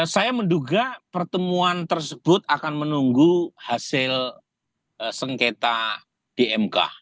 saya menduga pertemuan tersebut akan menunggu hasil sengketa di mk